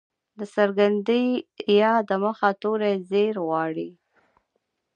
د څرګندي ي د مخه توری زير غواړي.